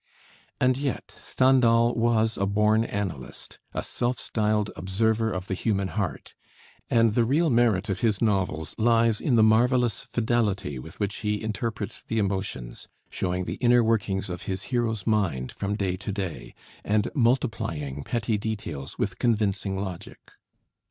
And yet Stendhal was a born analyst, a self styled "observer of the human heart"; and the real merit of his novels lies in the marvelous fidelity with which he interprets the emotions, showing the inner workings of his hero's mind from day to day, and multiplying petty details with convincing logic.